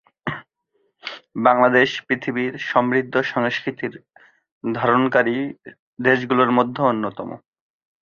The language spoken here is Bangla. বাংলাদেশ পৃথিবীর সমৃদ্ধ সংস্কৃতির ধারণকারী দেশগুলোর মধ্যে অন্যতম।